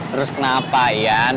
terus kenapa yan